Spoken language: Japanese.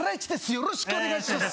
よろしくお願いします。